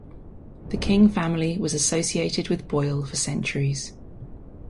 The King family was associated with Boyle for centuries.